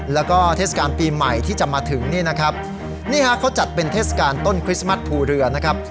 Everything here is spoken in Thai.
แล้วก็เทศกาลปีใหม่ที่จะมาถึงนี่นะครับนี่ฮะเขาจัดเป็นเทศกาลต้นคริสต์มัสภูเรือนะครับ